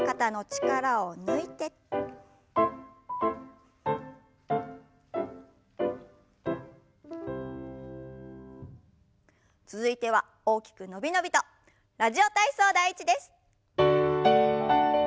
続いては大きく伸び伸びと「ラジオ体操第１」です。